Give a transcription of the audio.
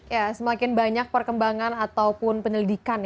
ya semakin banyak perkembangan ataupun penyelidikan